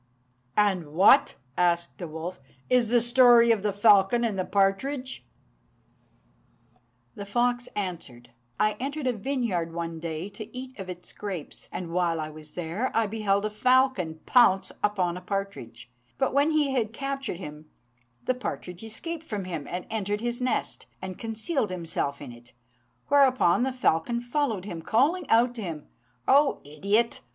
"And what," asked the wolf, "is the story of the falcon and the partridge?" The fox answered, "I entered a vineyard one day to eat of its grapes, and while I was there, I beheld a falcon pounce upon a partridge; but when he had captured him, the partridge escaped from him and entered his nest, and concealed himself in it; whereupon the falcon followed him, calling out to him, 'O idiot!